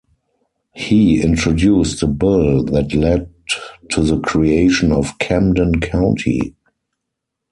He introduced the bill that led to the creation of Camden County.